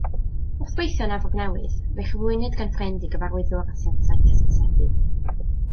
Wrth weithio yn Efrog Newydd, fe'i chyflwynwyd gan ffrind i gyfarwyddwr asiantaeth hysbysebu.